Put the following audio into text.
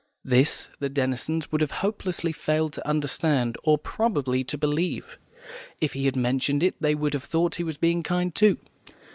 This the Denisons would have hopelessly failed to understand, or, probably, to believe; if he had mentioned it they would have thought he was being kind, too.